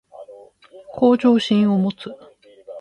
向上心を持つ